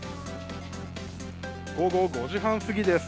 午後５時半過ぎです。